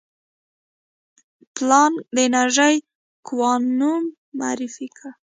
پلانک د انرژي کوانوم معرفي کړ.